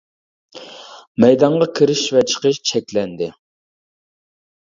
مەيدانغا كىرىش ۋە چىقىش چەكلەندى.